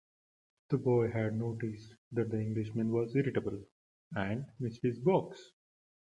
The boy had noticed that the Englishman was irritable, and missed his books.